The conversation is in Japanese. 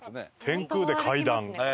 天空で階段。